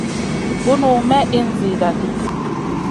Bunu may ìhn zida di.